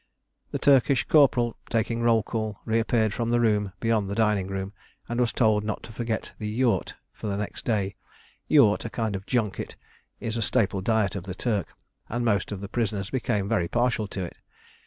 The Turkish corporal taking roll call reappeared from the room beyond the dining room, and was told not to forget the "yourt" for the next day. "Yourt," a kind of junket, is a staple diet of the Turk, and most of the prisoners became very partial to it.